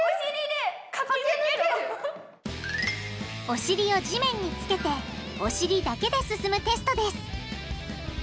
お尻を地面につけてお尻だけで進むテストです